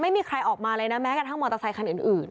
ไม่มีใครออกมาเลยนะแม้กระทั่งมอเตอร์ไซคันอื่น